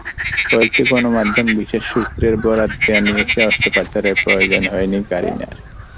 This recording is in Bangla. কয়েকটি গণমাধ্যম বিশেষ সূত্রের বরাত দিয়ে জানিয়েছে, অস্ত্রোপচারের প্রয়োজন হয়নি কারিনার।